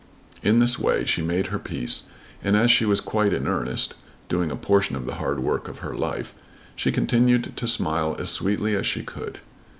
In this way she made her peace, and as she was quite in earnest, doing a portion of the hard work of her life, she continued to smile as sweetly as she could.